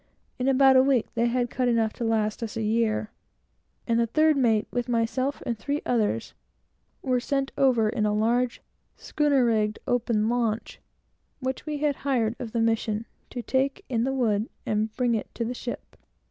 In about a week, they had cut enough to last us a year, and the third mate, with myself and three others, were sent over in a large, schooner rigged, open launch, which we had hired of the mission, to take in the wood, and bring it to the ship.